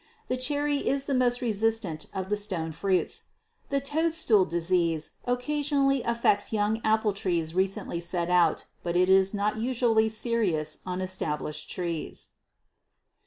The cherry is the most resistant of the stone fruits. The "toadstool" disease occasionally affects young apple trees recently set out, but it is not usually serious on established trees.